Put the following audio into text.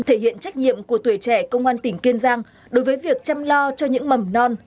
thể hiện trách nhiệm của tuổi trẻ công an tỉnh kiên giang đối với việc chăm lo cho những mầm non